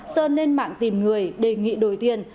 sơn lên mạng tìm người đề nghị đổi tiền